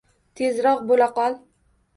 Tezroq bo`laqol